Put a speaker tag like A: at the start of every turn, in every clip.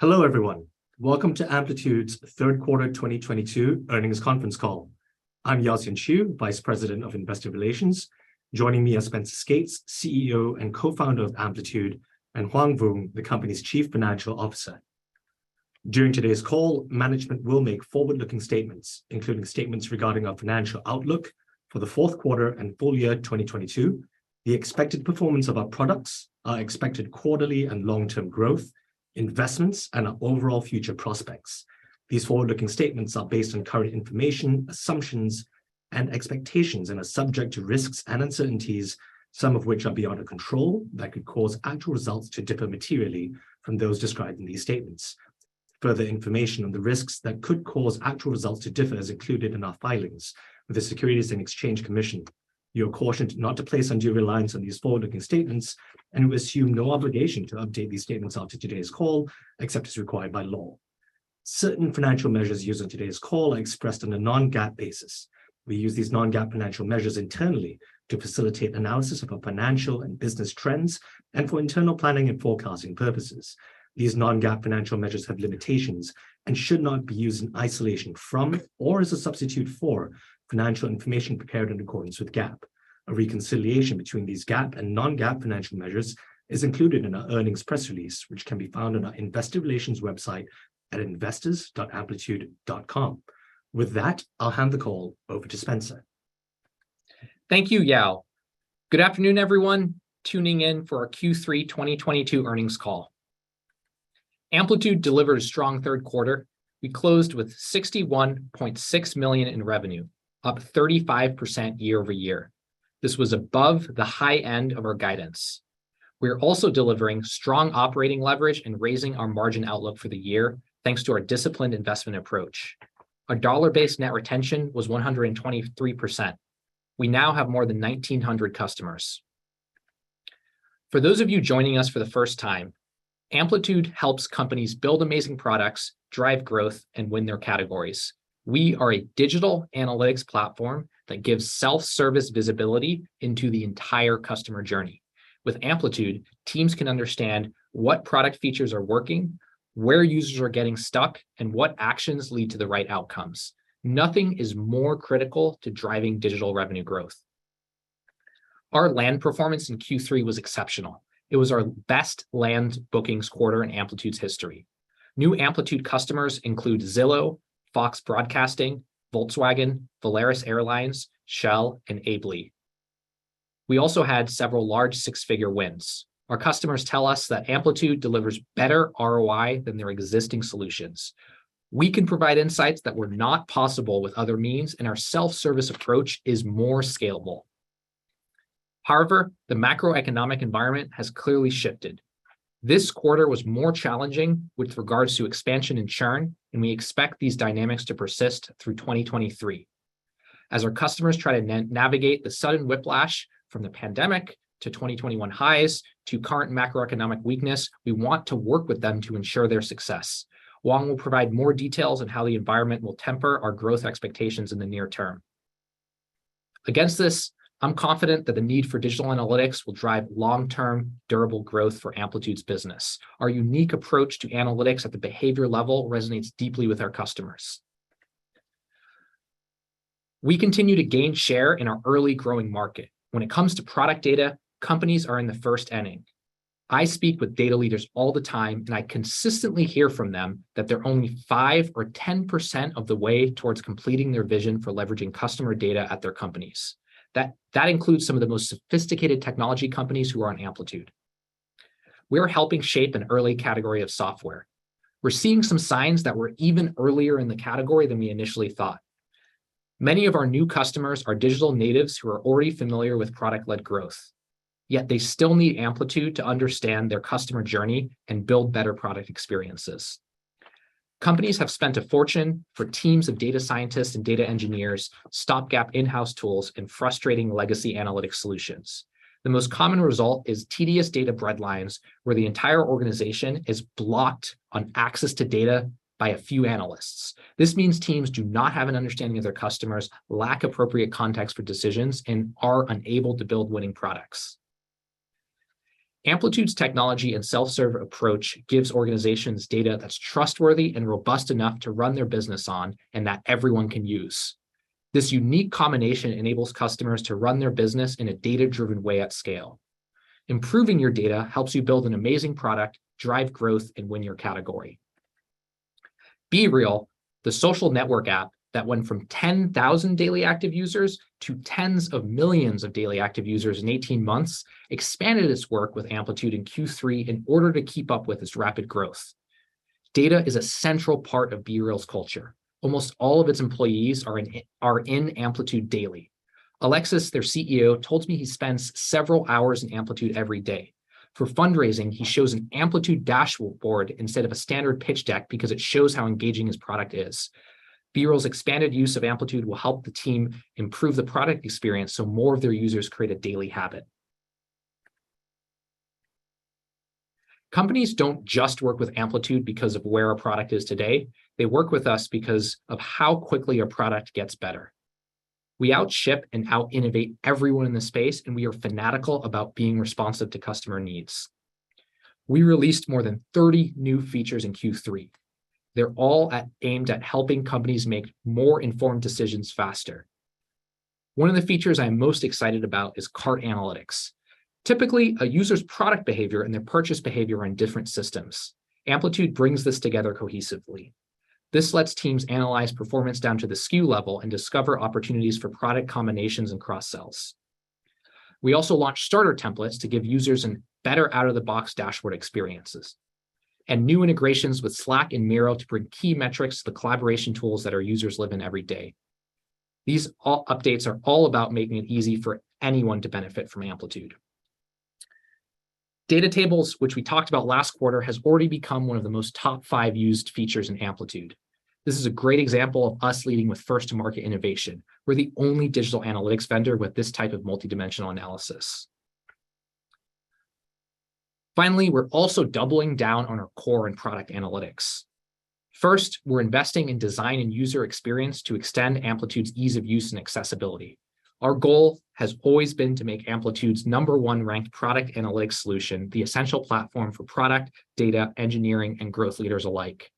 A: Hello everyone. Welcome to Amplitude's Third Quarter 2022 Earnings Conference Call. I'm Yaoxian Chew, Vice President of Investor Relations. Joining me are Spenser Skates, CEO and co-founder of Amplitude, and Hoang Vuong, the company's Chief Financial Officer. During today's call, management will make forward-looking statements, including statements regarding our financial outlook for the fourth quarter and full year 2022, the expected performance of our products, our expected quarterly and long-term growth, investments and our overall future prospects. These forward-looking statements are based on current information, assumptions, and expectations and are subject to risks and uncertainties, some of which are beyond our control, that could cause actual results to differ materially from those described in these statements. Further information on the risks that could cause actual results to differ is included in our filings with the Securities and Exchange Commission. You are cautioned not to place undue reliance on these forward-looking statements, and we assume no obligation to update these statements after today's call, except as required by law. Certain financial measures used in today's call are expressed on a non-GAAP basis. We use these non-GAAP financial measures internally to facilitate analysis of our financial and business trends and for internal planning and forecasting purposes. These non-GAAP financial measures have limitations and should not be used in isolation from or as a substitute for financial information prepared in accordance with GAAP. A reconciliation between these GAAP and non-GAAP financial measures is included in our earnings press release, which can be found on our investor relations website at investors.amplitude.com. With that, I'll hand the call over to Spenser.
B: Thank you, Yao. Good afternoon, everyone tuning in for our Q3 2022 earnings call. Amplitude delivered a strong third quarter. We closed with $61.6 million in revenue, up 35% year-over-year. This was above the high end of our guidance. We are also delivering strong operating leverage and raising our margin outlook for the year thanks to our disciplined investment approach. Our dollar-based net retention was 123%. We now have more than 1,900 customers. For those of you joining us for the first time, Amplitude helps companies build amazing products, drive growth, and win their categories. We are Digital Analytics platform that gives self-service visibility into the entire customer journey. With Amplitude, teams can understand what product features are working, where users are getting stuck, and what actions lead to the right outcomes. Nothing is more critical to driving digital revenue growth. Our land performance in Q3 was exceptional. It was our best land bookings quarter in Amplitude's history. New Amplitude customers include Zillow, Fox Broadcasting, Volkswagen, Volaris, Shell, and Ably. We also had several large six-figure wins. Our customers tell us that Amplitude delivers better ROI than their existing solutions. We can provide insights that were not possible with other means, and our self-service approach is more scalable. However, the macroeconomic environment has clearly shifted. This quarter was more challenging with regards to expansion and churn, and we expect these dynamics to persist through 2023. As our customers try to navigate the sudden whiplash from the pandemic to 2021 highs to current macroeconomic weakness, we want to work with them to ensure their success. Hoang will provide more details on how the environment will temper our growth expectations in the near term. Against this, I'm confident that the need for Digital Analytics will drive long-term durable growth for Amplitude's business. Our unique approach to analytics at the behavior level resonates deeply with our customers. We continue to gain share in our early growing market. When it comes to product data, companies are in the first inning. I speak with data leaders all the time, and I consistently hear from them that they're only 5% or 10% of the way towards completing their vision for leveraging customer data at their companies. That includes some of the most sophisticated technology companies who are on Amplitude. We are helping shape an early category of software. We're seeing some signs that we're even earlier in the category than we initially thought. Many of our new customers are digital natives who are already familiar with product-led growth, yet they still need Amplitude to understand their customer journey and build better product experiences. Companies have spent a fortune for teams of data scientists and data engineers, stopgap in-house tools and frustrating legacy analytics solutions. The most common result is tedious data breadlines where the entire organization is blocked on access to data by a few analysts. This means teams do not have an understanding of their customers, lack appropriate context for decisions, and are unable to build winning products. Amplitude's technology and self-serve approach gives organizations data that's trustworthy and robust enough to run their business on and that everyone can use. This unique combination enables customers to run their business in a data-driven way at scale. Improving your data helps you build an amazing product, drive growth, and win your category. BeReal, the social network app that went from 10,000 daily active users to tens of millions of daily active users in 18 months, expanded its work with Amplitude in Q3 in order to keep up with its rapid growth. Data is a central part of BeReal's culture. Almost all of its employees are in Amplitude daily. Alexis, their CEO, told me he spends several hours in Amplitude every day. For fundraising, he shows an Amplitude dashboard instead of a standard pitch deck because it shows how engaging his product is. BeReal's expanded use of Amplitude will help the team improve the product experience so more of their users create a daily habit. Companies don't just work with Amplitude because of where our product is today. They work with us because of how quickly our product gets better. We outship and out innovate everyone in the space, and we are fanatical about being responsive to customer needs. We released more than 30 new features in Q3. They're all aimed at helping companies make more informed decisions faster. One of the features I'm most excited about is Cart Analytics. Typically, a user's product behavior and their purchase behavior are in different systems. Amplitude brings this together cohesively. This lets teams analyze performance down to the SKU level and discover opportunities for product combinations and cross-sells. We also launched Starter Templates to give users a better out-of-the-box dashboard experiences and new integrations with Slack and Miro to bring key metrics to the collaboration tools that our users live in every day. These updates are all about making it easy for anyone to benefit from Amplitude. Data Tables, which we talked about last quarter, has already become one of the most top five used features in Amplitude. This is a great example of us leading with first-to-market innovation. We're the only Digital Analytics vendor with this type of multidimensional analysis. Finally, we're also doubling down on our core and product analytics. First, we're investing in design and user experience to extend Amplitude's Ease of Use and Accessibility. Our goal has always been to make Amplitude's number one ranked product analytics solution the essential platform for product, data, engineering, and growth leaders alike.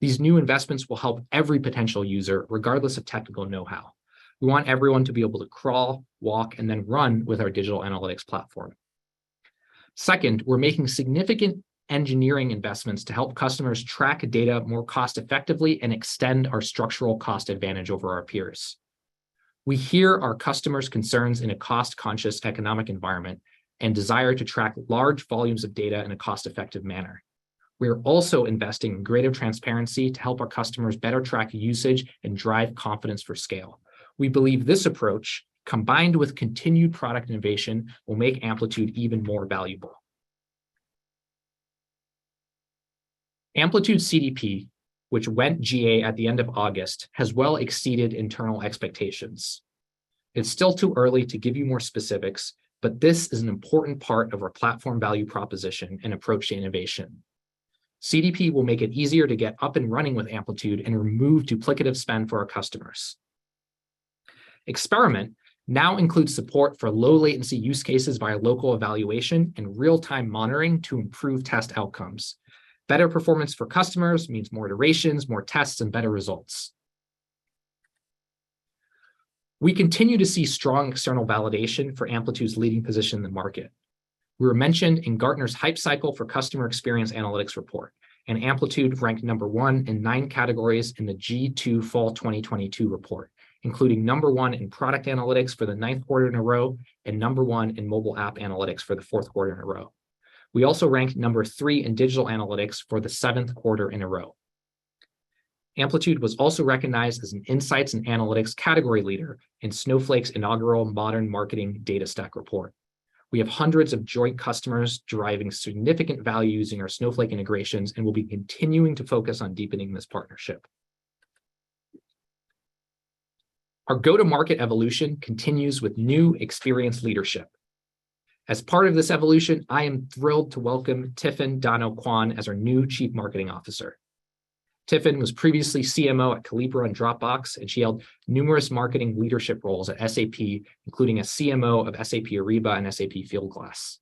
B: These new investments will help every potential user, regardless of technical know-how. We want everyone to be able to crawl, walk, and then run with Digital Analytics platform. second, we're making significant engineering investments to help customers track data more cost effectively and extend our structural cost advantage over our peers. We hear our customers' concerns in a cost-conscious economic environment and desire to track large volumes of data in a cost-effective manner. We are also investing in greater transparency to help our customers better track usage and drive confidence for scale. We believe this approach, combined with continued Product Innovation, will make Amplitude even more valuable. Amplitude CDP, which went GA at the end of August, has well exceeded internal expectations. It's still too early to give you more specifics, but this is an important part of our platform value proposition and approach to innovation. CDP will make it easier to get up and running with Amplitude and remove duplicative spend for our customers. Experiment now includes support for low latency use cases via local evaluation and real-time monitoring to improve test outcomes. Better performance for customers means more iterations, more tests, and better results. We continue to see strong external validation for Amplitude's leading position in the market. We were mentioned in Gartner's Hype Cycle for Customer Experience Analytics report, and Amplitude ranked number one in nine categories in the G2 Fall 2022 report, including number one in product analytics for the 9th quarter in a row and number one in Mobile App Analytics for the 4th quarter in a row. We also ranked number three in Digital Analytics for the 7th quarter in a row. Amplitude was also recognized as an Insights and Analytics Category Leader in Snowflake's inaugural Modern Marketing Data Stack report. We have hundreds of joint customers driving significant value using our Snowflake integrations and will be continuing to focus on deepening this partnership. Our go-to-market evolution continues with new experience leadership. As part of this evolution, I am thrilled to welcome Tifenn Dano Kwan as our new Chief Marketing Officer. Tifenn was previously CMO at Collibra and Dropbox, and she held numerous marketing leadership roles at SAP, including as CMO of SAP Ariba and SAP Fieldglass.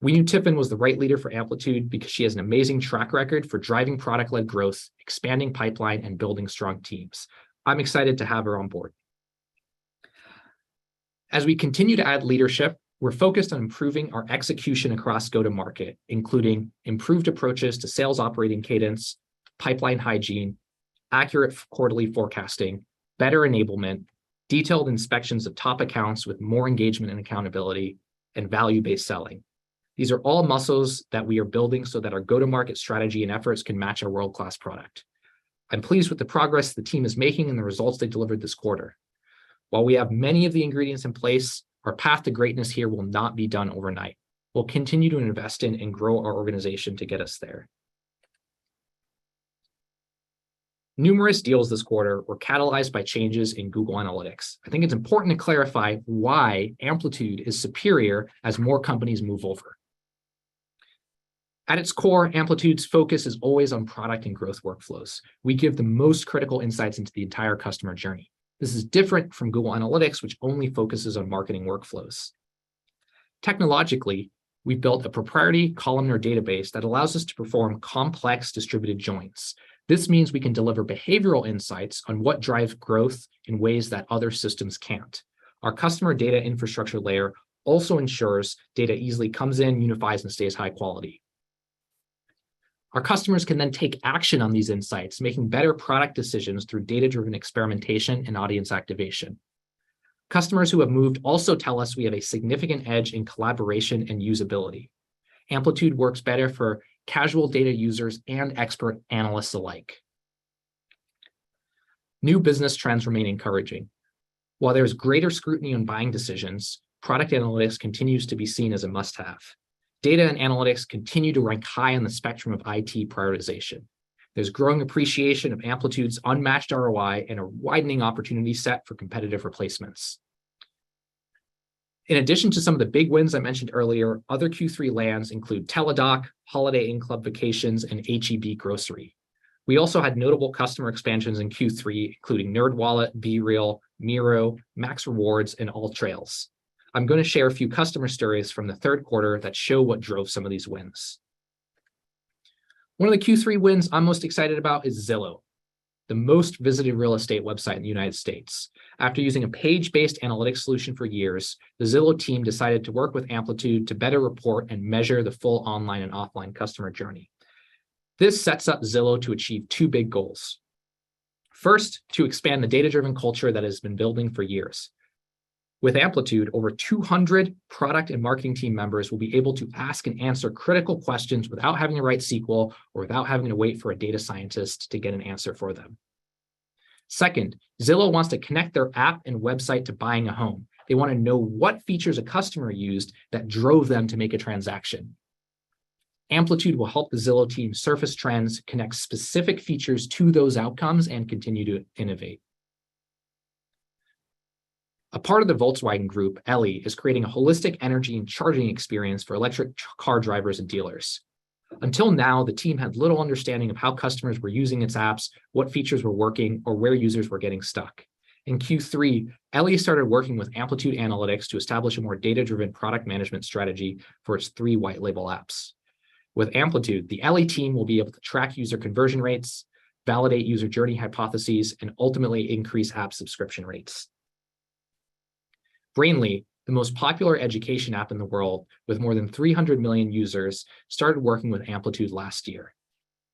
B: We knew Tifenn was the right leader for Amplitude because she has an amazing track record for driving product-led growth, expanding pipeline, and building strong teams. I'm excited to have her on board. As we continue to add leadership, we're focused on improving our execution across go-to-market, including improved approaches to sales operating cadence, pipeline hygiene, accurate quarterly forecasting, better enablement, detailed inspections of top accounts with more engagement and accountability, and value-based selling. These are all muscles that we are building so that our go-to-market strategy and efforts can match our world-class product. I'm pleased with the progress the team is making and the results they delivered this quarter. While we have many of the ingredients in place, our path to greatness here will not be done overnight. We'll continue to invest in and grow our organization to get us there. Numerous deals this quarter were catalyzed by changes in Google Analytics. I think it's important to clarify why Amplitude is superior as more companies move over. At its core, Amplitude's focus is always on product and growth workflows. We give the most critical insights into the entire customer journey. This is different from Google Analytics, which only focuses on marketing workflows. Technologically, we built a proprietary columnar database that allows us to perform complex distributed joins. This means we can deliver behavioral insights on what drives growth in ways that other systems can't. Our customer data infrastructure layer also ensures data easily comes in, unifies, and stays high quality. Our customers can then take action on these insights, making better product decisions through data-driven experimentation and audience activation. Customers who have moved also tell us we have a significant edge in collaboration and usability. Amplitude works better for casual data users and expert analysts alike. New business trends remain encouraging. While there's greater scrutiny on buying decisions, product analytics continues to be seen as a must-have. Data and analytics continue to rank high on the spectrum of IT prioritization. There's growing appreciation of Amplitude's unmatched ROI and a widening opportunity set for competitive replacements. In addition to some of the big wins I mentioned earlier, other Q3 lands include Teladoc Health, Holiday Inn Club Vacations, and H-E-B Grocery Company. We also had Notable Customer Expansions in Q3, including NerdWallet, BeReal, Miro, MaxRewards, and AllTrails. I'm gonna share a few customer stories from the third quarter that show what drove some of these wins. One of the Q3 wins I'm most excited about is Zillow, the most visited real estate website in the United States. After using a page-based analytics solution for years, the Zillow team decided to work with Amplitude to better report and measure the full online and offline customer journey. This sets up Zillow to achieve two big goals. First, to expand the data-driven culture that it has been building for years. With Amplitude, over 200 product and marketing team members will be able to ask and answer critical questions without having to write SQL or without having to wait for a data scientist to get an answer for them. Second, Zillow wants to connect their app and website to buying a home. They wanna know what features a customer used that drove them to make a transaction. Amplitude will help the Zillow team surface trends, connect specific features to those outcomes, and continue to innovate. A part of the Volkswagen Group, Elli, is creating a holistic energy and charging experience for electric car drivers and dealers. Until now, the team had little understanding of how customers were using its apps, what features were working, or where users were getting stuck. In Q3, Elli started working with Amplitude Analytics to establish a more data-driven product management strategy for its three white label apps. With Amplitude, the Elli team will be able to track user conversion rates, validate user journey hypotheses, and ultimately increase app subscription rates. Brainly, the most popular education app in the world with more than 300 million users, started working with Amplitude last year.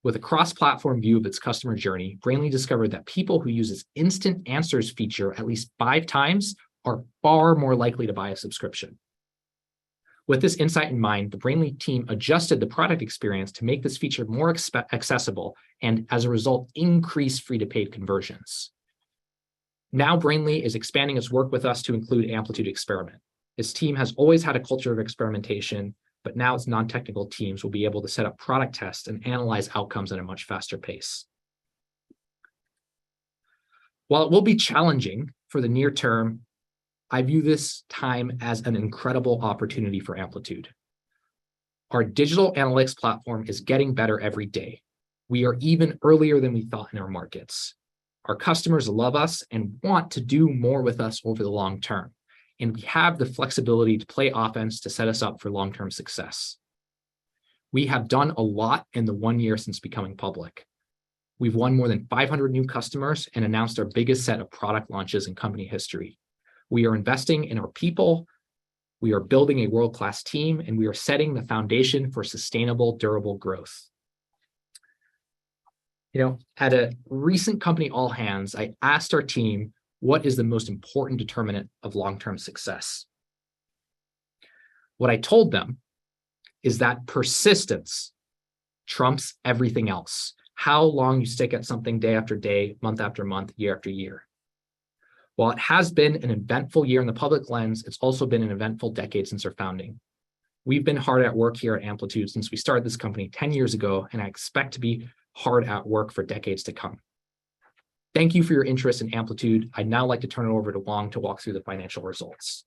B: With a cross-platform view of its customer journey, Brainly discovered that people who use its Instant Answers feature at least five times are far more likely to buy a subscription. With this insight in mind, the Brainly team adjusted the product experience to make this feature more accessible, and as a result, increased free to paid conversions. Now Brainly is expanding its work with us to include Amplitude Experiment. This team has always had a culture of experimentation, but now its non-technical teams will be able to set up product tests and analyze outcomes at a much faster pace. While it will be challenging for the near term, I view this time as an incredible opportunity for Amplitude. Digital Analytics platform is getting better every day. We are even earlier than we thought in our markets. Our customers love us and want to do more with us over the long term, and we have the flexibility to play offense to set us up for long-term success. We have done a lot in the one year since becoming public. We've won more than 500 new customers and announced our biggest set of product launches in company history. We are investing in our people, we are building a world-class team, and we are setting the foundation for sustainable, durable growth. You know, at a recent company all hands, I asked our team, "What is the most important determinant of long-term success?" What I told them is that persistence trumps everything else. How long you stick at something day after day, mont- after-month, year-after-year. While it has been an eventful year in the public lens, it's also been an eventful decade since our founding. We've been hard at work here at Amplitude since we started this company 10 years ago, and I expect to be hard at work for decades to come. Thank you for your interest in Amplitude. I'd now like to turn it over to Hoang Vuong to walk through the financial results.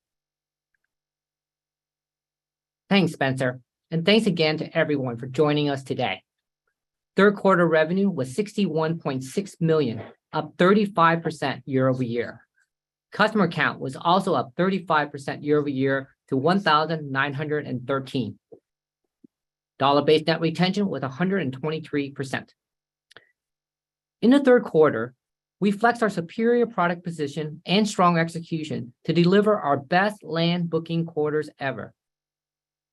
C: Thanks, Spenser. Thanks again to everyone for joining us today. Third quarter revenue was $61.6 million, up 35% year-over-year. Customer count was also up 35% year-over-year to 1,913. Dollar-based net retention was 123%. In the third quarter, we flexed our superior product position and strong execution to deliver our best land booking quarters ever.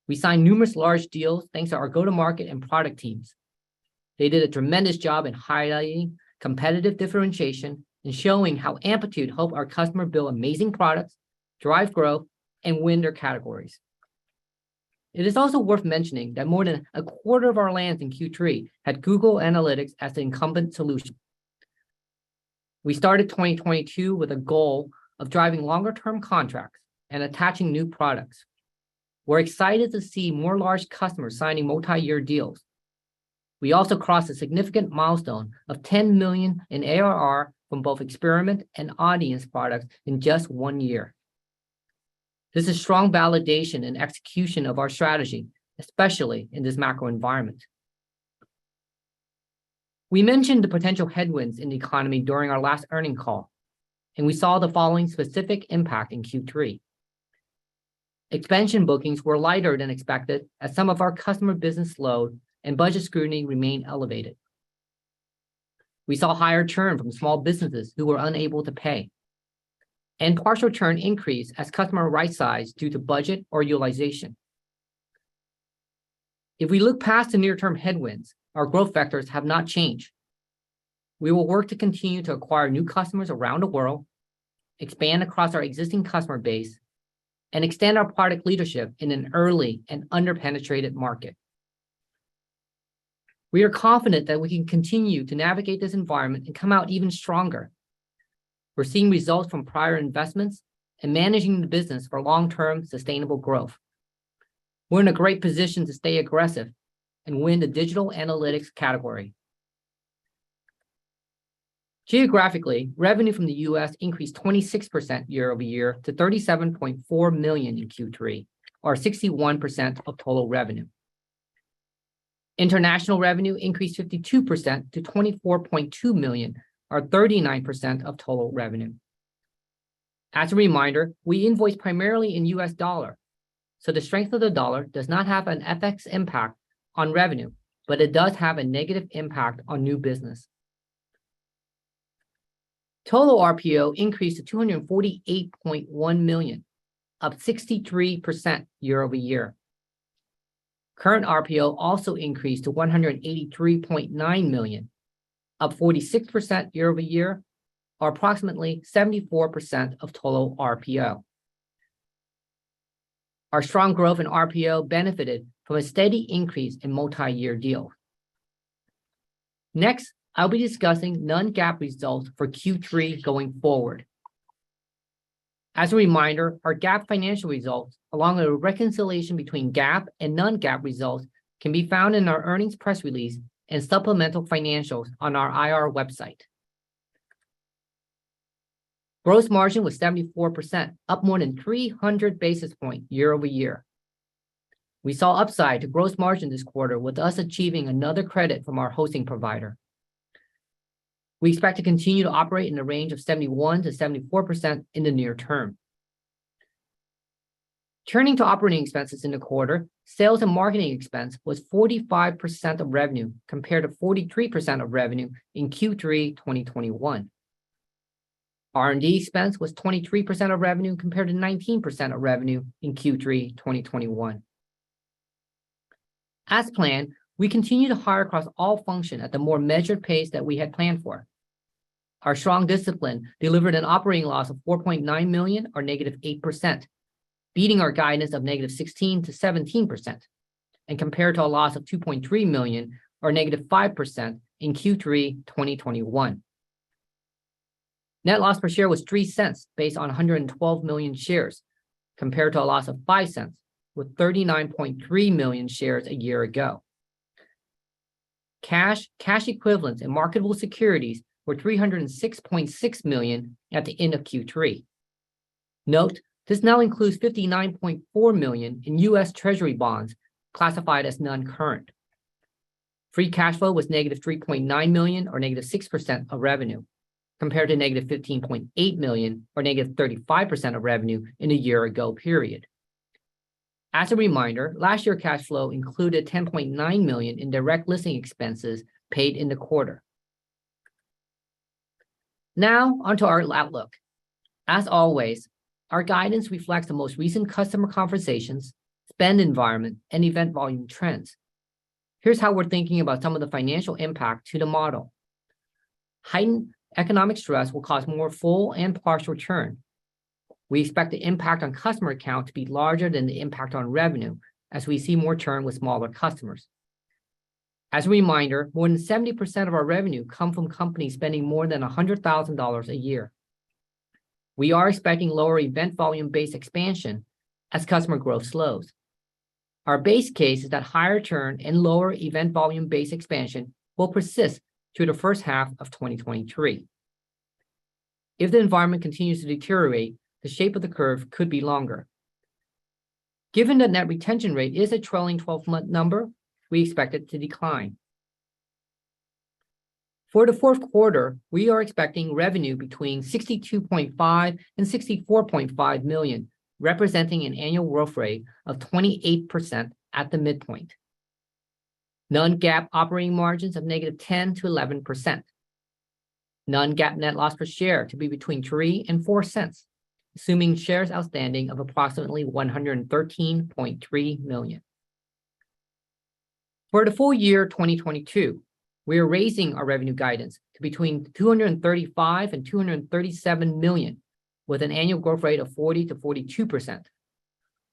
C: We signed numerous large deals thanks to our go-to-market and product teams. They did a tremendous job in highlighting competitive differentiation and showing how Amplitude helped our customer build amazing products, drive growth, and win their categories. It is also worth mentioning that more than a quarter of our lands in Q3 had Google Analytics as the incumbent solution. We started 2022 with a goal of driving longer term contracts and attaching new products. We're excited to see more large customers signing multi-year deals. We also crossed a significant milestone of 10 million in ARR from both experiment and audience products in just one year. This is strong validation and execution of our strategy, especially in this macro environment. We mentioned the potential headwinds in the economy during our last earnings call, and we saw the following specific impact in Q3. Expansion bookings were lighter than expected as some of our customer business slowed and budget scrutiny remained elevated. We saw higher churn from small businesses who were unable to pay. Partial churn increased as customers right-sized due to budget or utilization. If we look past the near-term headwinds, our growth factors have not changed. We will work to continue to acquire new customers around the world, expand across our existing customer base, and extend our product leadership in an early and under-penetrated market. We are confident that we can continue to navigate this environment and come out even stronger. We're seeing results from prior investments and managing the business for long-term sustainable growth. We're in a great position to stay aggressive and win the Digital Analytics category. Geographically, revenue from the U.S. increased 26% year-over-year to $37.4 million in Q3, or 61% of total revenue. International Revenue increased 52% to $24.2 million, or 39% of total revenue. As a reminder, we invoice primarily in U.S. dollar, so the strength of the dollar does not have an FX impact on revenue, but it does have a negative impact on new business. Total RPO increased to $248.1 million, up 63% year-over-year. Current RPO also increased to $183.9 million, up 46% year-over-year, or approximately 74% of total RPO. Our strong growth in RPO benefited from a steady increase in multi-year deal. Next, I'll be discussing non-GAAP results for Q3 going forward. As a reminder, our GAAP financial results, along with a reconciliation between GAAP and non-GAAP results, can be found in our earnings press release and supplemental financials on our IR website. Gross margin was 74%, up more than 300 basis points year-over-year. We saw upside to gross margin this quarter, with us achieving another credit from our hosting provider. We expect to continue to operate in the range of 71%-74% in the near term. Turning to operating expenses in the quarter, sales and marketing expense was 45% of revenue, compared to 43% of revenue in Q3 2021. R&D expense was 23% of revenue, compared to 19% of revenue in Q3 2021. As planned, we continue to hire across all functions at the more measured pace that we had planned for. Our strong discipline delivered an operating loss of $4.9 million or -8%, beating our guidance of -16% to -17%, and compared to a loss of $2.3 million or -5% in Q3 2021. Net loss per share was $0.03 based on 112 million shares, compared to a loss of $0.05 with 39.3 million shares a year ago. Cash, cash equivalents and marketable securities were $306.6 million at the end of Q3. Note, this now includes $59.4 million in U.S. Treasury bonds classified as non-current. Free cash flow was negative $3.9 million or negative 6% of revenue, compared to negative $15.8 million or negative 35% of revenue in a year ago period. As a reminder, last year cash flow included $10.9 million in direct listing expenses paid in the quarter. Now on to our outlook. As always, our guidance reflects the most recent customer conversations, spend environment and event volume trends. Here's how we're thinking about some of the financial impact to the model. Heightened economic stress will cause more full and partial churn. We expect the impact on customer accounts to be larger than the impact on revenue, as we see more churn with smaller customers. As a reminder, more than 70% of our revenue comes from companies spending more than $100,000 a year. We are expecting lower event volume-based expansion as customer growth slows. Our base case is that higher churn and lower event volume-based expansion will persist through the first half of 2023. If the environment continues to deteriorate, the shape of the curve could be longer. Given the net retention rate is a trailing 12-month number, we expect it to decline. For the fourth quarter, we are expecting revenue between $62.5 million and 64.5 million, representing an annual growth rate of 28% at the midpoint. Non-GAAP operating margins of -10% to -11%. Non-GAAP net loss per share to be between $0.03 and $0.04, assuming shares outstanding of approximately 113.3 million. For the full year 2022, we are raising our revenue guidance to between $235 million and $237 million, with an annual growth rate of 40%-42%.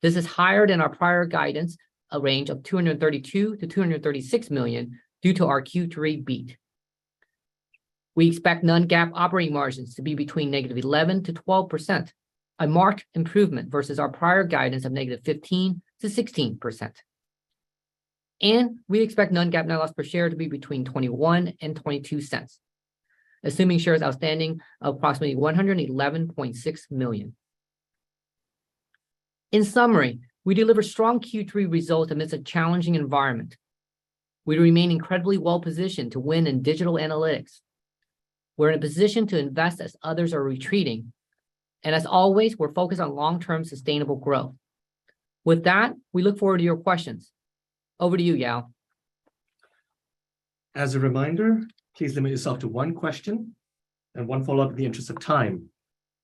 C: This is higher than our prior guidance, a range of $232 milli to 236 million, due to our Q3 beat. We expect non-GAAP operating margins to be between -11% and -12%, a marked improvement versus our prior guidance of -15% to -16%. We expect non-GAAP net loss per share to be between $0.21 and $0.22, assuming shares outstanding of approximately 111.6 million. In summary, we delivered strong Q3 results amidst a challenging environment. We remain incredibly well-positioned to win in Digital Analytics. We're in a position to invest as others are retreating. As always, we're focused on long-term sustainable growth. With that, we look forward to your questions. Over to you, Yao.
A: As a reminder, please limit yourself to one question and one follow-up in the interest of time.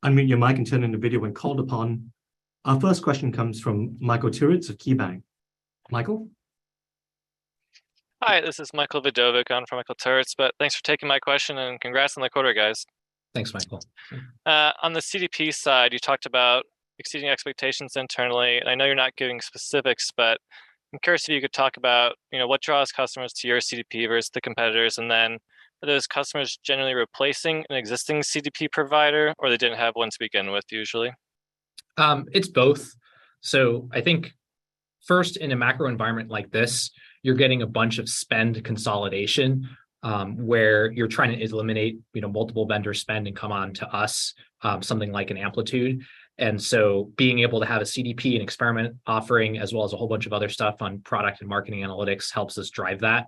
A: Unmute your mic and turn on the video when called upon. Our first question comes from Michael Turits of KeyBanc. Michael?
D: Hi, this is Michael Vidovic on for Michael Turits, but thanks for taking my question, and congrats on the quarter, guys.
A: Thanks, Michael.
D: On the CDP side, you talked about exceeding expectations internally, and I know you're not giving specifics, but I'm curious if you could talk about, you know, what draws customers to your CDP versus the competitors, and then are those customers generally replacing an existing CDP provider, or they didn't have one to begin with usually?
B: It's both. I think first, in a macro environment like this, you're getting a bunch of spend consolidation, where you're trying to eliminate, you know, multiple vendor spend and come on to us, something like an Amplitude. Being able to have a CDP and Experiment offering as well as a whole bunch of other stuff on product and marketing analytics helps us drive that.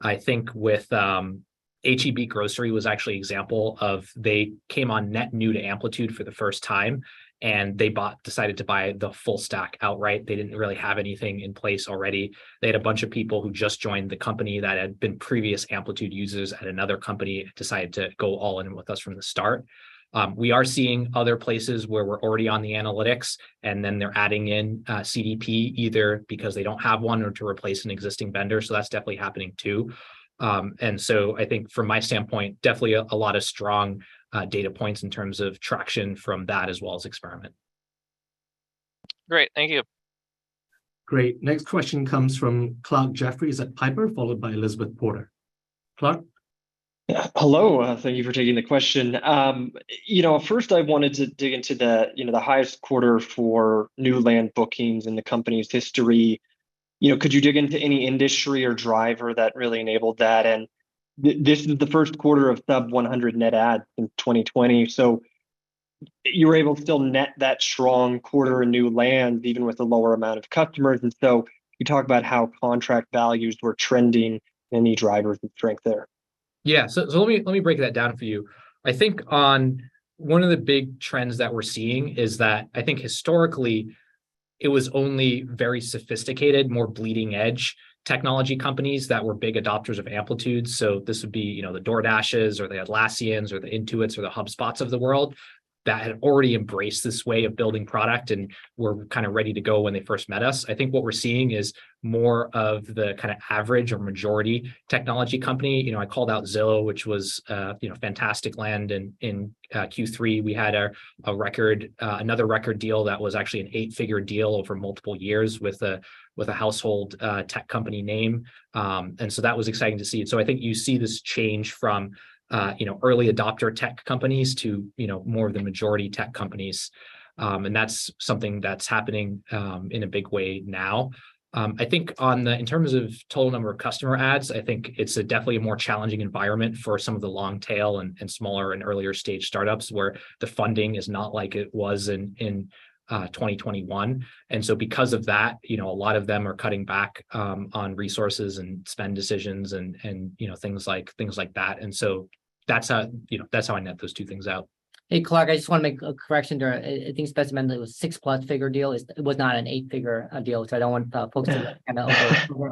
B: I think with H-E-B Grocery was actually an example of they came on net new to Amplitude for the first time, and they decided to buy the full stack outright. They didn't really have anything in place already. They had a bunch of people who just joined the company that had been previous Amplitude users at another company, decided to go all in with us from the start. We are seeing other places where we're already on the analytics and then they're adding in CDP, either because they don't have one or to replace an existing vendor, so that's definitely happening too. I think from my standpoint, definitely a lot of strong data points in terms of traction from that as well as Experiment.
D: Great. Thank you.
A: Great. Next question comes from Clarke Jeffries at Piper, followed by Elizabeth Porter. Clark?
E: Yeah. Hello. Thank you for taking the question. You know, first I wanted to dig into the, you know, the highest quarter for new land bookings in the company's history. You know, could you dig into any industry or driver that really enabled that? This is the first quarter of sub 100 net add in 2020, so you were able to still net that strong quarter in new land even with the lower amount of customers, and so can you talk about how contract values were trending, any drivers of strength there?
B: Let me break that down for you. I think one of the big trends that we're seeing is that I think historically it was only very sophisticated, more bleeding edge technology companies that were big adopters of Amplitude. This would be, you know, the DoorDash or the Atlassian or the Intuit or the HubSpot of the world that had already embraced this way of building product and were kinda ready to go when they first met us. I think what we're seeing is more of the kinda average or majority technology company. You know, I called out Zillow, which was fantastic land in Q3. We had a record, another record deal that was actually an eight-figure deal over multiple years with a household tech company name. That was exciting to see. I think you see this change from, you know, early adopter tech companies to, you know, more of the majority tech companies. That's something that's happening in a big way now. I think in terms of total number of customer ads, I think it's definitely a more challenging environment for some of the long tail and smaller and earlier stage startups where the funding is not like it was in 2021. Because of that, you know, a lot of them are cutting back on resources and spend decisions and, you know, things like that. That's how you know I net those two things out.
C: Hey, Clarke, I just wanna make a correction there. I think Spenser mentioned it was six-plus figure deal. It was not an eight-figure deal, so I don't want folks to kinda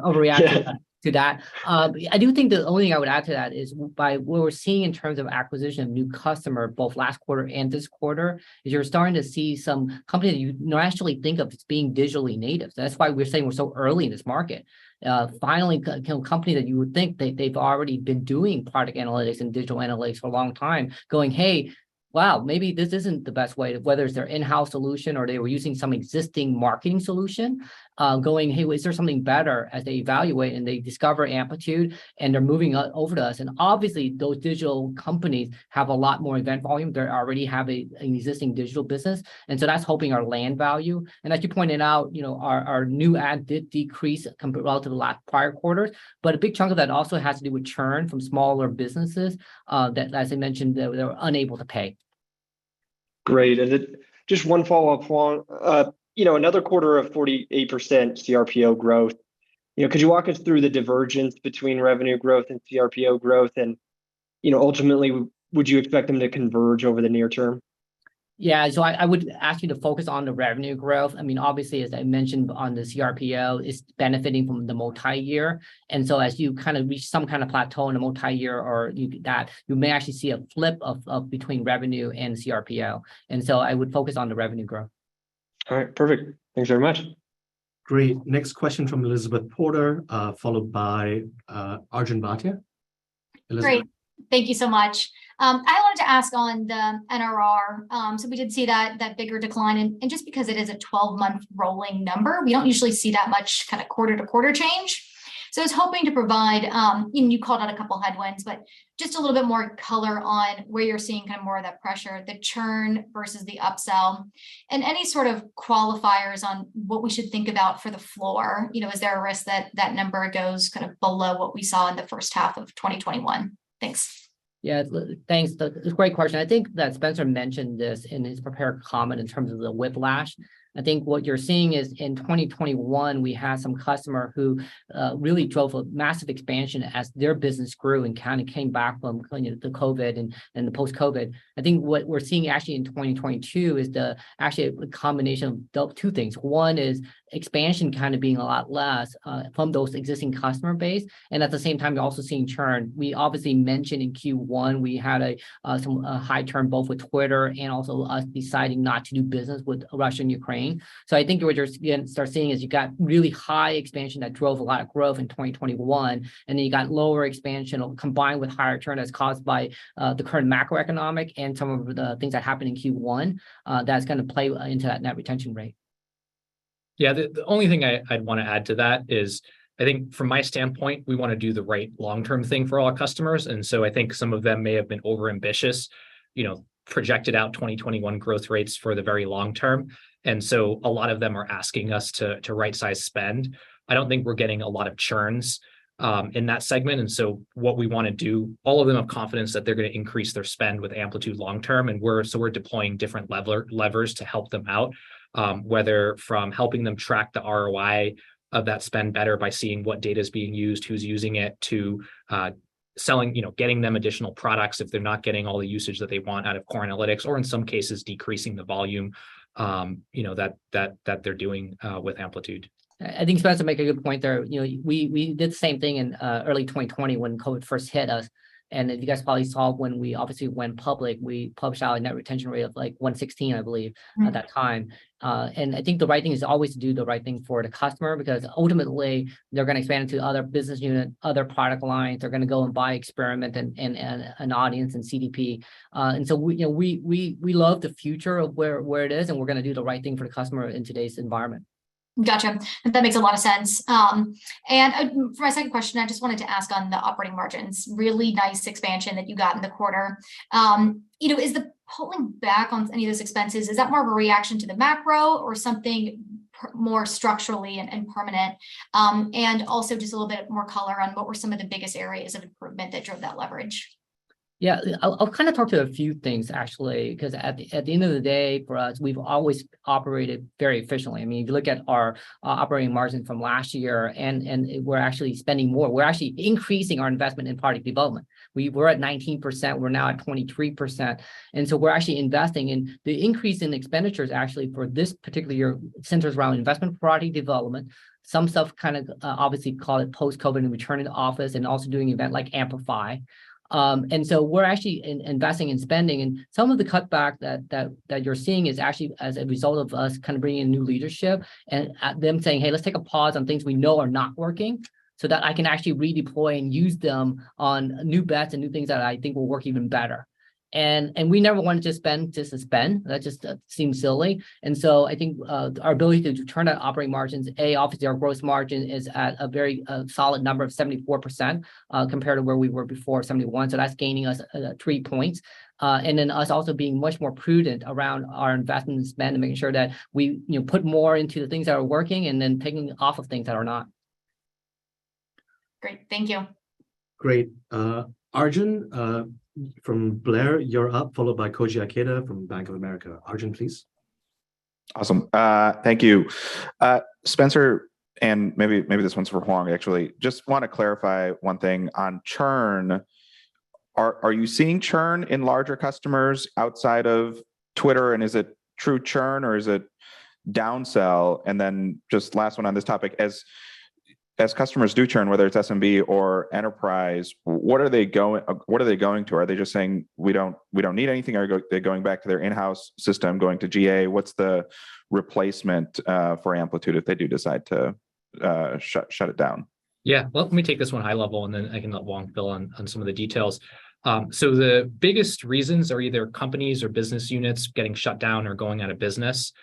C: overreact to that. I do think the only thing I would add to that is by what we're seeing in terms of acquisition of new customer both last quarter and this quarter, is you're starting to see some companies you actually think of as being digitally native. So that's why we're saying we're so early in this market. Finally, you know, a company that you would think they've already been doing product analytics and Digital Analytics for a long time, going, "Hey. Wow, maybe this isn't the best way," whether it's their in-house solution or they were using some existing marketing solution, going, "Hey, is there something better?" as they evaluate, and they discover Amplitude, and they're moving over to us. Obviously, those digital companies have a lot more event volume. They already have an existing digital business, and so that's helping our land value. As you pointed out, you know, our new ad did decrease comp relative to the last prior quarters, but a big chunk of that also has to do with churn from smaller businesses that as I mentioned, they were unable to pay.
E: Great. Just one follow-up, Hoang Vuong. You know, another quarter of 48% CRPO growth. You know, could you walk us through the divergence between revenue growth and CRPO growth and, you know, ultimately, would you expect them to converge over the near term?
C: Yeah. I would ask you to focus on the revenue growth. I mean, obviously, as I mentioned on the CRPO, it's benefiting from the multi-year. As you kind of reach some kind of plateau in the multi-year, you may actually see a flip of between revenue and CRPO. I would focus on the revenue growth.
E: All right. Perfect. Thanks very much.
A: Great. Next question from Elizabeth Porter, followed by, Arjun Bhatia. Elizabeth?
F: Great. Thank you so much. I wanted to ask on the NRR. We did see that bigger decline and just because it is a 12-month rolling number, we don't usually see that much kinda quarter-to-quarter change. I was hoping to provide, you know, you called out a couple headwinds, but just a little bit more color on where you're seeing kinda more of that pressure, the churn versus the upsell, and any sort of qualifiers on what we should think about for the floor. You know, is there a risk that that number goes kind of below what we saw in the first half of 2021? Thanks.
C: Thanks. That's a great question. I think that Spenser mentioned this in his prepared comment in terms of the whiplash. I think what you're seeing is in 2021, we had some customer who really drove a massive expansion as their business grew and kinda came back from, you know, the COVID and the post-COVID. I think what we're seeing actually in 2022 is actually a combination of the two things. One is expansion kinda being a lot less from those existing customer base, and at the same time, you're also seeing churn. We obviously mentioned in Q1 we had some high churn both with Twitter and also us deciding not to do business with Russia and Ukraine. I think what you're just gonna start seeing is you got really high expansion that drove a lot of growth in 2021, and then you got lower expansion combined with higher churn that's caused by the current macroeconomic and some of the things that happened in Q1, that's gonna play into that net retention rate.
B: The only thing I'd wanna add to that is I think from my standpoint, we wanna do the right long-term thing for all our customers. I think some of them may have been overambitious, you know, projected out 2021 growth rates for the very long term. A lot of them are asking us to right-size spend. I don't think we're getting a lot of churns in that segment. What we wanna do, all of them have confidence that they're gonna increase their spend with Amplitude long term, and we're deploying different levers to help them out. Whether from helping them track the ROI of that spend better by seeing what data is being used, who's using it, to selling, you know, getting them additional products if they're not getting all the usage that they want out of core analytics, or in some cases, decreasing the volume, you know, that they're doing with Amplitude.
C: I think Spenser makes a good point there. You know, we did the same thing in early 2020 when COVID first hit us. As you guys probably saw when we obviously went public, we published out a net retention rate of, like, 116, I believe at that time. I think the right thing is to always do the right thing for the customer because ultimately, they're gonna expand into other business unit, other product lines. They're gonna go and buy Experiment, Audience, and CDP. We you know love the future of where it is, and we're gonna do the right thing for the customer in today's environment.
F: Gotcha. That makes a lot of sense. For my second question, I just wanted to ask on the operating margins, really nice expansion that you got in the quarter. You know, is the pulling back on any of those expenses, is that more of a reaction to the macro or something more structurally and permanent? Also just a little bit more color on what were some of the biggest areas of improvement that drove that leverage.
C: Yeah, I'll kind of talk to a few things actually, 'cause at the end of the day for us, we've always operated very efficiently. I mean, if you look at our operating margin from last year and we're actually spending more. We're actually increasing our investment in product development. We were at 19%. We're now at 23%. We're actually investing. The increase in expenditures actually for this particular year centers around investment in product development. Some stuff kind of, obviously call it post-COVID and return to office, and also doing event like Amplify. We're actually investing and spending, and some of the cutback that you're seeing is actually as a result of us kind of bringing in new leadership and them saying, "Hey, let's take a pause on things we know are not working so that I can actually redeploy and use them on new bets and new things that I think will work even better." We never want to just spend to spend. That just seems silly. I think our ability to turn that operating margins. Obviously, our gross margin is at a very solid number of 74%, compared to where we were before, 71. So that's gaining us three points. And then us also being much more prudent around our investment spend and making sure that we, you know, put more into the things that are working and then taking off of things that are not.
F: Great. Thank you.
A: Great. Arjun from Blair, you're up, followed by Koji Ikeda from Bank of America. Arjun, please.
G: Awesome. Thank you. Spenser, and maybe this one's for Hoang actually. Just want to clarify one thing on churn. Are you seeing churn in larger customers outside of Twitter, and is it true churn or is it downsell? Just last one on this topic. As customers do churn, whether it's SMB or enterprise, what are they going to? Are they just saying, "We don't need anything"? Are they going back to their in-house system, going to GA? What's the replacement for Amplitude if they do decide to shut it down?
B: Yeah. Well, let me take this one high level, and then I can let Hoang fill in on some of the details. The biggest reasons are either companies or business units getting shut down or going out of business,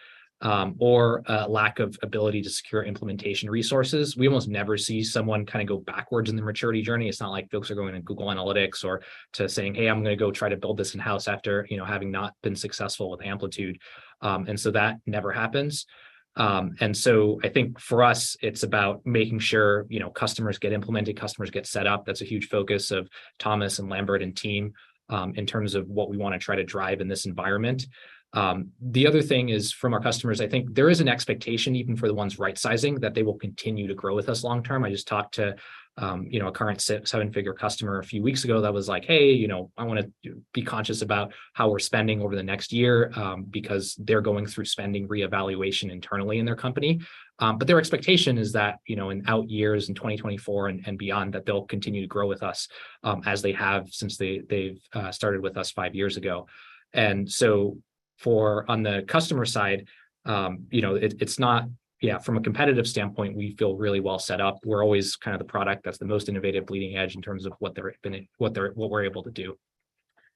B: or a lack of ability to secure implementation resources. We almost never see someone kinda go backwards in their maturity journey. It's not like folks are going to Google Analytics or to saying, "Hey, I'm gonna go try to build this in-house after, you know, having not been successful with Amplitude." That never happens. I think for us, it's about making sure, you know, customers get implemented, customers get set up. That's a huge focus of Thomas and Karl Heimer and team, in terms of what we wanna try to drive in this environment. The other thing is from our customers, I think there is an expectation even for the ones right-sizing that they will continue to grow with us long term. I just talked to, you know, a current six, seven-figure customer a few weeks ago that was like, "Hey, you know, I wanna be conscious about how we're spending over the next year," because they're going through spending reevaluation internally in their company. Their expectation is that, you know, in out years, in 2024 and beyond, that they'll continue to grow with us, as they have since they've started with us five years ago. From the customer side, you know, it's not. Yeah, from a competitive standpoint, we feel really well set up. We're always kinda the product that's the most innovative, bleeding edge in terms of what we're able to do.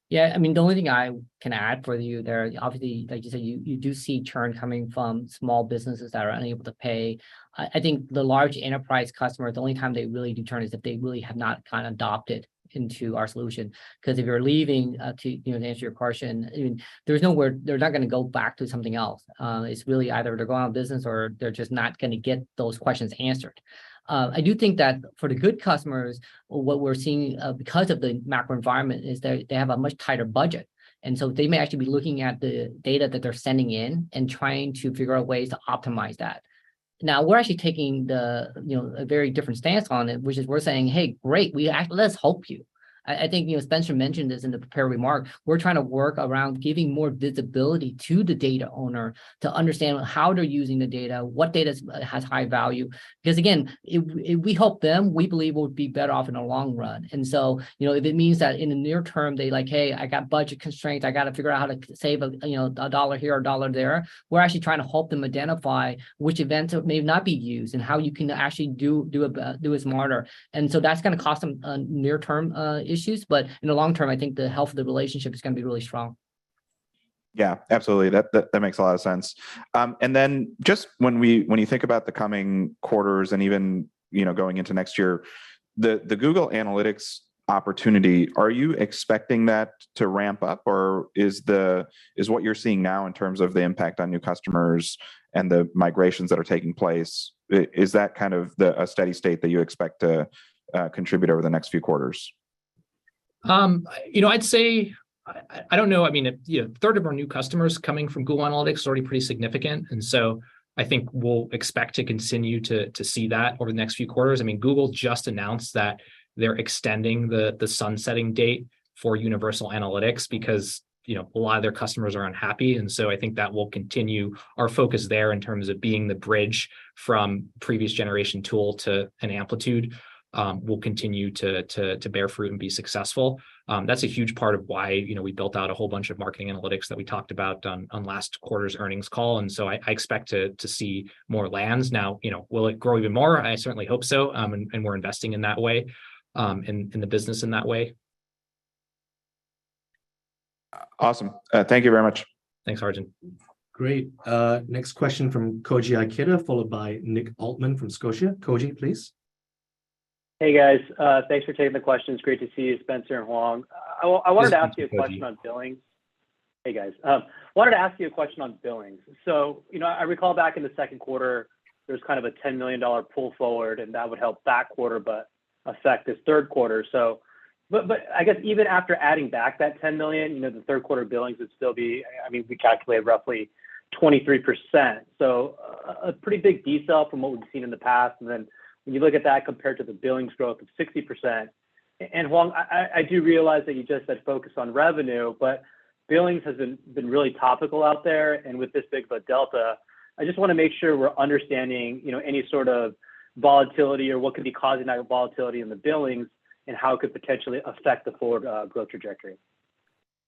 C: Yeah. I mean, the only thing I can add for you there, obviously, like you said, you do see churn coming from small businesses that are unable to pay. I think the large enterprise customer, the only time they really do churn is if they really have not kind of adopted into our solution. 'Cause if you're leaving, you know, to answer your question, I mean, there's nowhere, they're not gonna go back to something else. It's really either they're going out of business, or they're just not gonna get those questions answered. I do think that for the good customers, what we're seeing, because of the macro environment is they have a much tighter budget. They may actually be looking at the data that they're sending in and trying to figure out ways to optimize that. Now, we're actually taking the, you know, a very different stance on it, which is we're saying, "Hey, great. Let's help you." I think, you know, Spenser mentioned this in the prepared remark. We're trying to work around giving more visibility to the data owner to understand how they're using the data, what data's has high value. Because again, we help them, we believe we'll be better off in the long run. You know, if it means that in the near term they like, "Hey, I got budget constraints. I gotta figure out how to save a, you know, a dollar here or a dollar there," we're actually trying to help them identify which events may not be used and how you can actually do it smarter. That's gonna cause some near-term issues, but in the long term, I think the health of the relationship is gonna be really strong.
G: Yeah, absolutely. That makes a lot of sense. Just when you think about the coming quarters and even, you know, going into next year, the Google Analytics opportunity, are you expecting that to ramp up? Or is what you're seeing now in terms of the impact on new customers and the migrations that are taking place, is that kind of a steady state that you expect to contribute over the next few quarters?
B: You know, I'd say I don't know. I mean, you know, a third of our new customers coming from Google Analytics is already pretty significant. I think we'll expect to continue to see that over the next few quarters. I mean, Google just announced that they're extending the sunsetting date for Universal Analytics because, you know, a lot of their customers are unhappy. I think that will continue our focus there in terms of being the bridge from previous-generation tool to an Amplitude will continue to bear fruit and be successful. That's a huge part of why, you know, we built out a whole bunch of marketing analytics that we talked about on last quarter's earnings call. I expect to see more lands now. You know, will it grow even more? I certainly hope so. We're investing in that way, in the business in that way?
G: Awesome. Thank you very much.
B: Thanks, Arjun.
A: Great. Next question from Koji Ikeda, followed by Nick Altmann from Scotiabank. Koji, please.
H: Hey, guys. Thanks for taking the questions. Great to see you, Spenser and Hoang.
A: Yes, Koji
H: I wanted to ask you a question on billings. Hey, guys. Wanted to ask you a question on billings. You know, I recall back in the second quarter, there was kind of a $10 million pull forward, and that would help that quarter but affect this third quarter. I guess even after adding back that $10 million, you know, the third quarter billings would still be, I mean, we calculated roughly 23%, so a pretty big delta from what we've seen in the past. Then when you look at that compared to the billings growth of 60%. Hoang, I do realize that you just said focus on revenue, but billings has been really topical out there. With this big of a delta, I just wanna make sure we're understanding, you know, any sort of volatility or what could be causing that volatility in the billings, and how it could potentially affect the forward growth trajectory.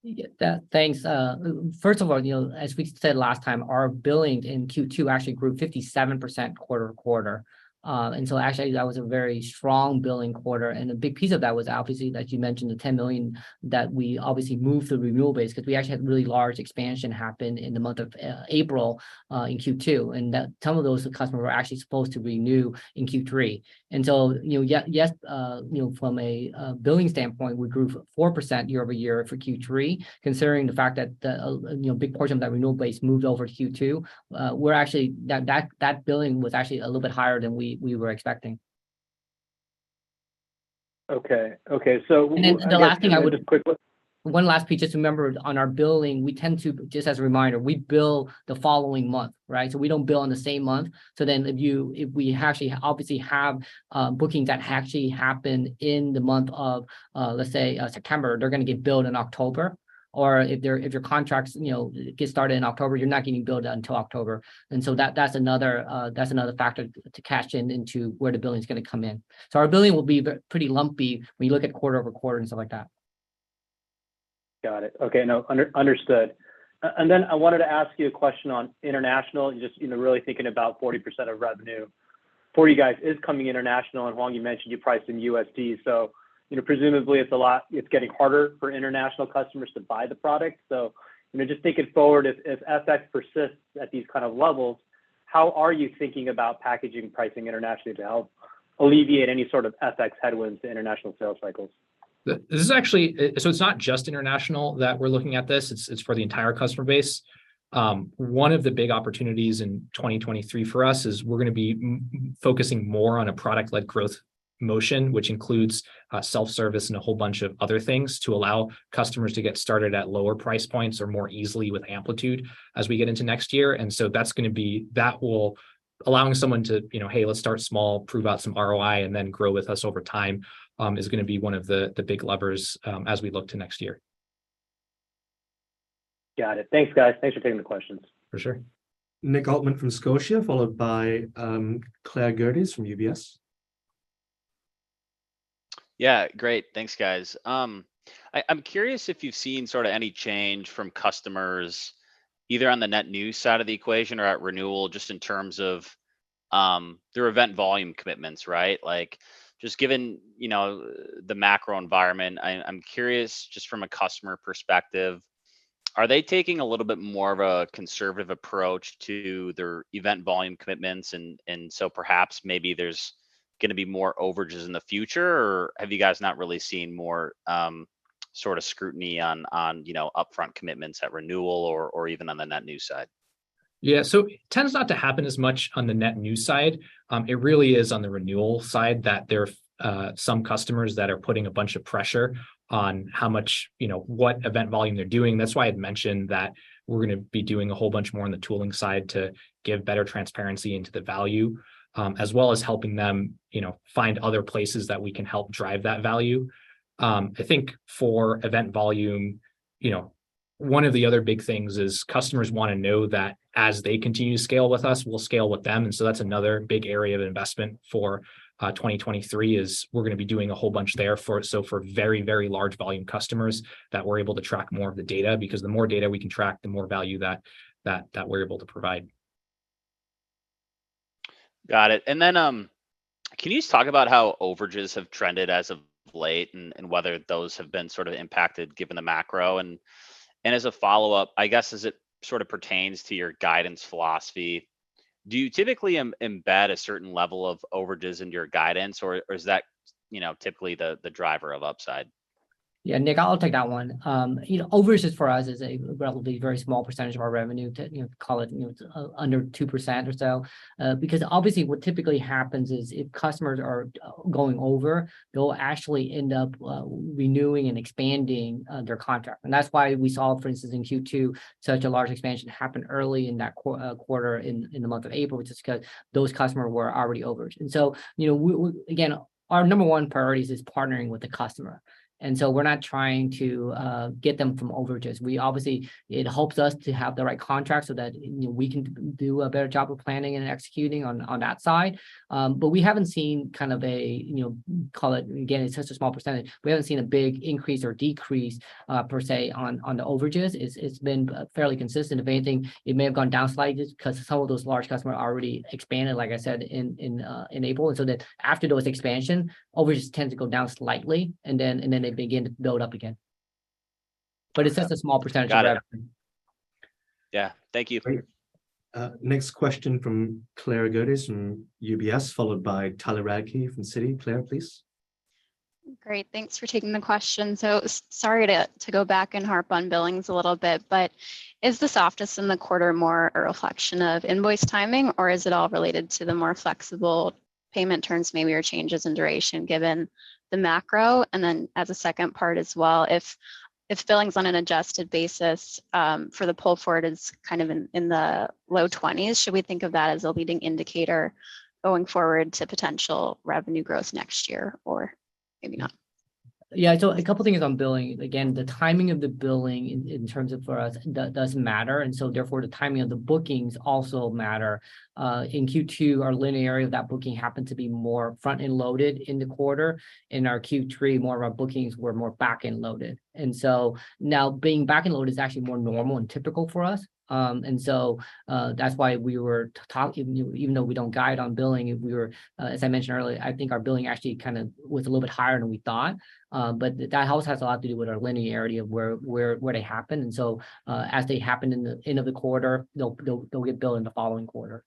C: You get that. Thanks. First of all, you know, as we said last time, our billings in Q2 actually grew 57% quarter-over-quarter. Actually that was a very strong billing quarter. A big piece of that was obviously, as you mentioned, the $10 million that we obviously moved through renewal base because we actually had really large expansion happen in the month of April in Q2. Some of those customers were actually supposed to renew in Q3. You know, yes, you know, from a billing standpoint, we grew 4% year-over-year for Q3. Considering the fact that the, you know, big portion of that renewal base moved over to Q2, that billing was actually a little bit higher than we were expecting.
H: Okay.
C: The last thing I would
H: Quick.
C: One last piece, just remember on our billing, we tend to, just as a reminder, we bill the following month, right? We don't bill on the same month. If we actually obviously have bookings that actually happen in the month of, let's say, September, they're gonna get billed in October. Or if your contracts, you know, get started in October, you're not getting billed until October. That's another factor into where the billing's gonna come in. Our billing will be pretty lumpy when you look at quarter-over-quarter and stuff like that.
H: Got it. Okay. No, understood. And then I wanted to ask you a question on international. Just, you know, really thinking about 40% of revenue for you guys is coming international. And Hoang, you mentioned you priced in USD, so, you know, presumably it's a lot, it's getting harder for international customers to buy the product. So, you know, just thinking forward, if FX persists at these kind of levels, how are you thinking about packaging pricing internationally to help alleviate any sort of FX headwinds to international sales cycles?
B: This is actually so it's not just international that we're looking at this. It's for the entire customer base. One of the big opportunities in 2023 for us is we're gonna be focusing more on a product-led growth motion, which includes self-service and a whole bunch of other things to allow customers to get started at lower price points or more easily with Amplitude as we get into next year. That's gonna be allowing someone to, you know, "Hey, let's start small, prove out some ROI, and then grow with us over time," is gonna be one of the big levers as we look to next year.
H: Got it. Thanks, guys. Thanks for taking the questions.
B: For sure.
A: Nick Altmann from Scotiabank, followed by Claire Gerdes from UBS.
I: Yeah. Great. Thanks, guys. I'm curious if you've seen sort of any change from customers, either on the net new side of the equation or at renewal, just in terms of their event volume commitments, right? Like, just given, you know, the macro environment, I'm curious just from a customer perspective, are they taking a little bit more of a conservative approach to their event volume commitments and so perhaps maybe there's gonna be more overages in the future? Or have you guys not really seen more, sort of scrutiny on, you know, upfront commitments at renewal or even on the net new side?
B: Yeah. Tends not to happen as much on the net new side. It really is on the renewal side that there are some customers that are putting a bunch of pressure on how much, you know, what event volume they're doing. That's why I'd mentioned that we're gonna be doing a whole bunch more on the tooling side to give better transparency into the value, as well as helping them, you know, find other places that we can help drive that value. I think for event volume, you know, one of the other big things is customers wanna know that as they continue to scale with us, we'll scale with them. That's another big area of investment for 2023, is we're gonna be doing a whole bunch there for so very, very large volume customers that we're able to track more of the data, because the more data we can track, the more value that we're able to provide.
I: Got it. Then can you just talk about how overages have trended as of late and whether those have been sort of impacted given the macro? As a follow-up, I guess as it sort of pertains to your guidance philosophy, do you typically embed a certain level of overages into your guidance? Or is that, you know, typically the driver of upside?
C: Yeah, Nick, I'll take that one. You know, overages for us is a relatively very small percentage of our revenue to, you know, call it, you know, it's under 2% or so. Because obviously what typically happens is if customers are going over, they'll actually end up renewing and expanding their contract. That's why we saw, for instance, in Q2, such a large expansion happen early in that quarter, in the month of April, which is 'cause those customer were already overaged. You know, again, our number one priority is partnering with the customer, and so we're not trying to get them from overages. We obviously. It helps us to have the right contract so that, you know, we can do a better job of planning and executing on that side. We haven't seen kind of a, you know, call it, again, it's such a small percentage, we haven't seen a big increase or decrease per se on the overages. It's been fairly consistent. If anything, it may have gone down slightly just 'cause some of those large customer already expanded, like I said, in April, and so then after those expansion, overages tend to go down slightly and then they begin to build up again. It's such a small percentage of everything.
I: Got it. Yeah. Thank you.
C: Great.
A: Next question from Claire Gerdes from UBS, followed by Tyler Radke from Citi. Claire, please.
J: Great. Thanks for taking the question. Sorry to go back and harp on billings a little bit, but is the softness in the quarter more a reflection of invoice timing, or is it all related to the more flexible payment terms maybe, or changes in duration given the macro? As a second part as well, if billings on an adjusted basis for the pull forward is kind of in the low twenties, should we think of that as a leading indicator going forward to potential revenue growth next year, or maybe not?
C: Yeah. A couple things on billing. Again, the timing of the billing in terms of for us does matter, therefore the timing of the bookings also matter. In Q2, our linearity of that booking happened to be more front-end loaded in the quarter. In our Q3, more of our bookings were more back-end loaded. Now being back-end loaded is actually more normal and typical for us. That's why we were. You know, even though we don't guide on billing, we were, as I mentioned earlier, I think our billing actually kind of was a little bit higher than we thought. That also has a lot to do with our linearity of where they ha, and so happen as they happen in the end of the quarter, they'll get billed in the following quarter.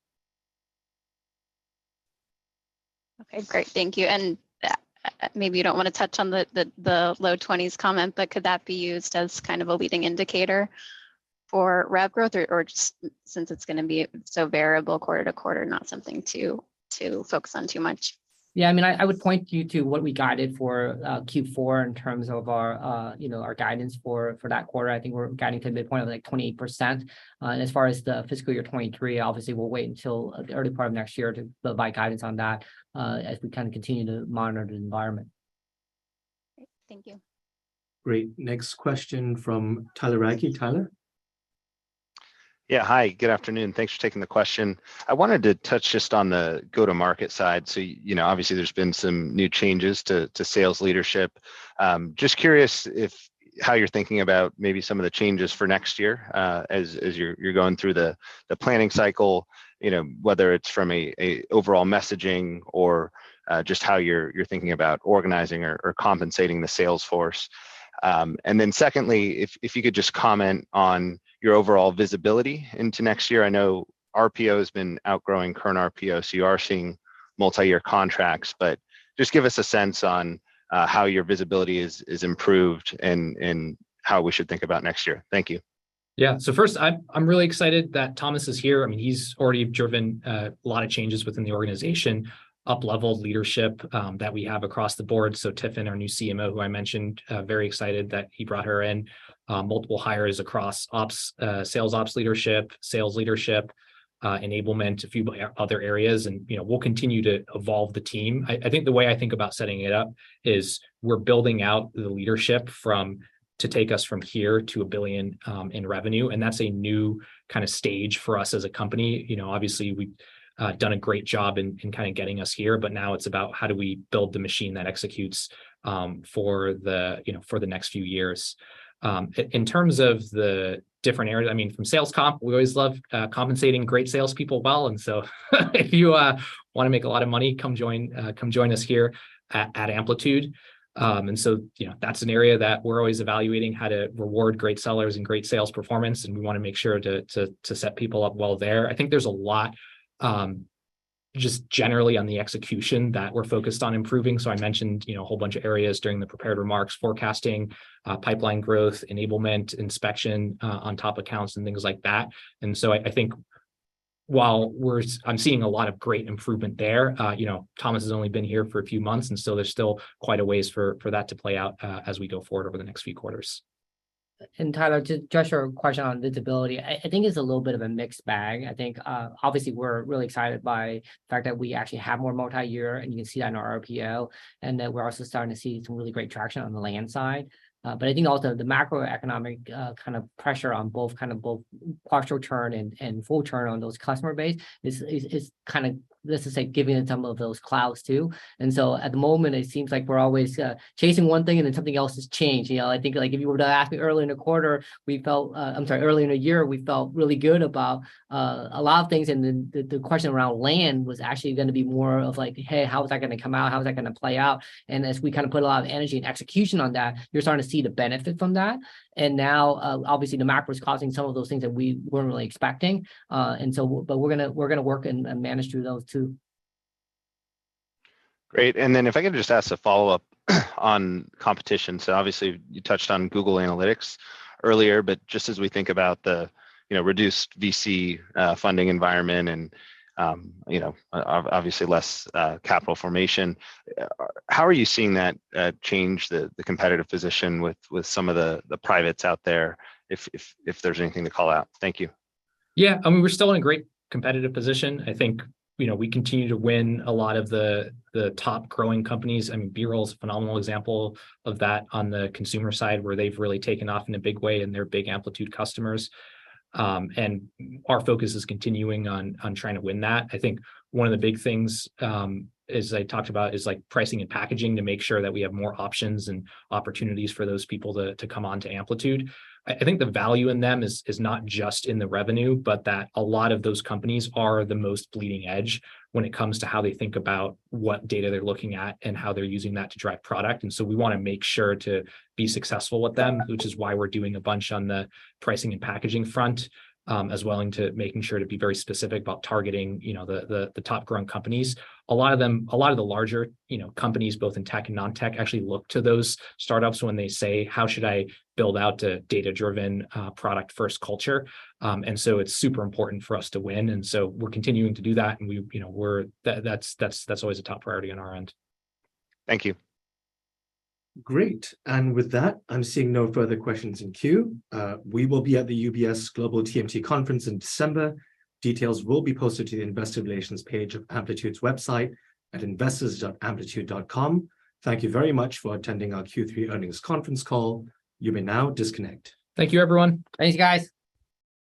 J: Okay, great. Thank you. Maybe you don't wanna touch on the low twenties comment, but could that be used as kind of a leading indicator for rev growth or just since it's gonna be so variable quarter to quarter, not something to focus on too much?
C: Yeah, I mean, I would point you to what we guided for Q4 in terms of our you know our guidance for that quarter. I think we're guiding to the midpoint of like 28%. As far as the fiscal year 2023, obviously we'll wait until the early part of next year to provide guidance on that, as we kind of continue to monitor the environment.
J: Great. Thank you.
A: Great. Next question from Tyler Radke. Tyler?
K: Yeah, hi. Good afternoon. Thanks for taking the question. I wanted to touch just on the go-to-market side. You know, obviously there's been some new changes to sales leadership. Just curious if how you're thinking about maybe some of the changes for next year, as you're going through the planning cycle, you know, whether it's from a overall messaging or just how you're thinking about organizing or compensating the sales force. Secondly, if you could just comment on your overall visibility into next year. I know RPO's been outgrowing current RPO, so you are seeing multi-year contracts, but just give us a sense on how your visibility is improved and how we should think about next year. Thank you.
B: First, I'm really excited that Thomas is here. I mean, he's already driven a lot of changes within the organization, up-leveled leadership that we have across the board. Tifenn, our new CMO, who I mentioned, very excited that he brought her in. Multiple hires across ops, sales ops leadership, sales leadership, enablement, a few other areas, and, you know, we'll continue to evolve the team. I think the way I think about setting it up is we're building out the leadership to take us from here to a billion in revenue, and that's a new kind of stage for us as a company. You know, obviously we've done a great job in kind of getting us here, but now it's about how do we build the machine that executes for the, you know, for the next few years. In terms of the different areas, I mean, from sales comp, we always love compensating great salespeople well, and so if you wanna make a lot of money, come join us here at Amplitude. You know, that's an area that we're always evaluating how to reward great sellers and great sales performance, and we wanna make sure to set people up well there. I think there's a lot, just generally on the execution that we're focused on improving, so I mentioned, you know, a whole bunch of areas during the prepared remarks, forecasting, pipeline growth, enablement, inspection, on top accounts and things like that. I think I'm seeing a lot of great improvement there, you know, Thomas has only been here for a few months, and so there's still quite a ways for that to play out, as we go forward over the next few quarters.
C: Tyler, to address your question on visibility, I think it's a little bit of a mixed bag. I think obviously we're really excited by the fact that we actually have more multi-year, and you can see that in our RPO, and that we're also starting to see some really great traction on the land side. But I think also the macroeconomic kind of pressure on both kind of partial turn and full turn on those customer base is kind of, let's just say, giving it some of those clouds too. At the moment, it seems like we're always chasing one thing, and then something else has changed. You know, I think, like, if you were to ask me early in the quarter, we felt. I'm sorry, early in the year, we felt really good about a lot of things, and then the question around land was actually gonna be more of like, "Hey, how is that gonna come out? How is that gonna play out?" As we kind of put a lot of energy and execution on that, you're starting to see the benefit from that. Now, obviously the macro is causing some of those things that we weren't really expecting. But we're gonna work and manage through those two.
K: Great. If I could just ask a follow-up on competition. Obviously you touched on Google Analytics earlier, but just as we think about the you know reduced VC funding environment and you know obviously less capital formation, how are you seeing that change the competitive position with some of the privates out there, if there's anything to call out? Thank you.
B: Yeah. I mean, we're still in a great competitive position. I think, you know, we continue to win a lot of the top growing companies, and BeReal's a phenomenal example of that on the consumer side, where they've really taken off in a big way and they're big Amplitude customers. Our focus is continuing on trying to win that. I think one of the big things, as I talked about, is, like, pricing and packaging to make sure that we have more options and opportunities for those people to come onto Amplitude. I think the value in them is not just in the revenue, but that a lot of those companies are the most bleeding edge when it comes to how they think about what data they're looking at and how they're using that to drive product. We wanna make sure to be successful with them, which is why we're doing a bunch on the pricing and packaging front, as well into making sure to be very specific about targeting, you know, the top growing companies. A lot of them. A lot of the larger, you know, companies, both in tech and non-tech, actually look to those startups when they say, "How should I build out a data-driven, product first culture?" It's super important for us to win. We're continuing to do that, and you know, that's always a top priority on our end.
K: Thank you.
A: Great. With that, I'm seeing no further questions in queue. We will be at the UBS Global TMT Conference in December. Details will be posted to the Investor Relations page of Amplitude's website at investors.amplitude.com. Thank you very much for attending our Q3 earnings conference call. You may now disconnect.
B: Thank you, everyone.
C: Thanks, guys.